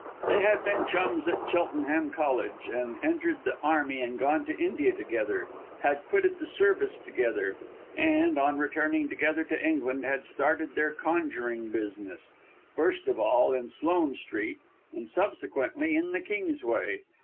They had been chums at Cheltenham College, had entered the Army and gone to India together, had quitted the Service together, and, on returning together to England, had started their conjuring business, first of all in Sloane Street, and subsequently in the Kingsway.